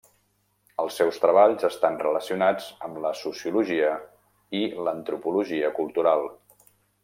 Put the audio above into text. Els seus treballs estan relacionats amb la sociologia i l'antropologia cultural.